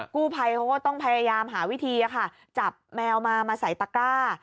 กู้ภัยเขาก็ต้องพยายามหาวิธีจับแมวมามาใส่ตะกร้า